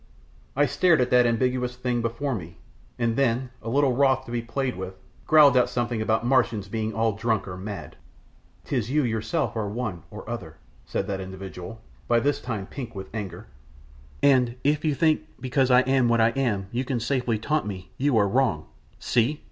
I stared at that ambiguous thing before me, and then, a little wroth to be played with, growled out something about Martians being all drunk or mad. "'Tis you yourself are one or other," said that individual, by this time pink with anger, "and if you think because I am what I am you can safely taunt me, you are wrong. See!